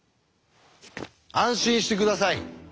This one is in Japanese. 安心して下さい。